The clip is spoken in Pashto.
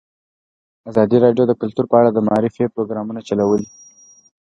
ازادي راډیو د کلتور په اړه د معارفې پروګرامونه چلولي.